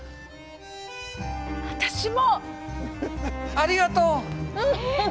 ありがとう。えっ？